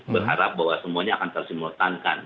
berharap bahwa semuanya akan tersimultankan